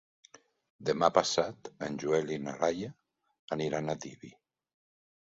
Demà passat en Joel i na Laia aniran a Tibi.